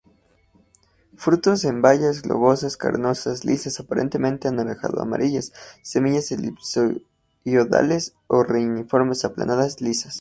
Frutos en bayas, globosas, carnosas, lisas, aparentemente anaranjado-amarillas; semillas elipsoidales o reniformes, aplanadas, lisas.